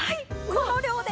この量で。